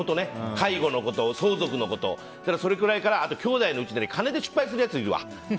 介護のこと、相続のことそれくらいからあときょうだいは金で失敗するやついるわ。